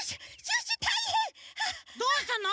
どうしたの？